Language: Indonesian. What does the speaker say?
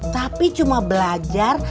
tapi cuma belajar